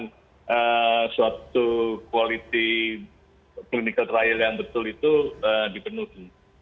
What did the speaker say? dan suatu kualitas klinik terakhir yang betul itu dipenuhi